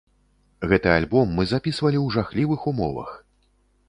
Гэты альбом мы запісвалі ў жахлівых умовах.